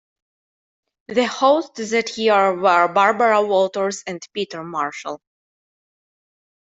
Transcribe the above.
The hosts that year were Barbara Walters and Peter Marshall.